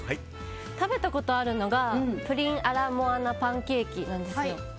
食べたことあるのがプリンアラモアナパンケーキです。